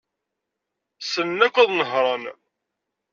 Ssnen akk ad nehṛen.